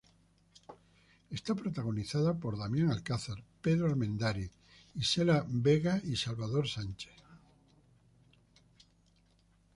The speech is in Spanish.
Es protagonizada por Damián Alcázar, Pedro Armendáriz Jr., Isela Vega y Salvador Sánchez.